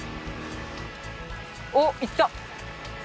おっ行った。